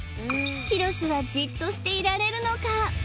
ひろしはじっとしていられるのか？